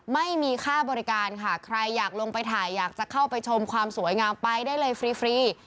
ไม่มีค่าบริการค่ะใครอยากลงไปถ่ายอยากจะเข้าไปชมความสวยงามไปได้เลยฟรี